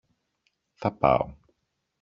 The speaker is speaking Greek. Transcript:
Θα πάω!